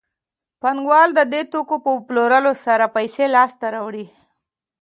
پانګوال د دې توکو په پلورلو سره پیسې لاسته راوړي